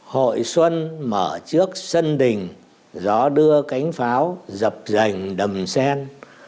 hội xuân mở trước sân đình gió đưa cánh pháo dập rành đầm sen